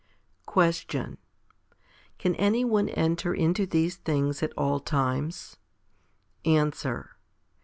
Question. Can any one enter into these things at all times ? Answer.